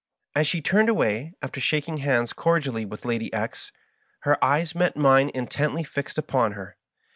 As she turned away, after shaking hands cordially with Lady X^ , her eyes met mine intently fixed upon her.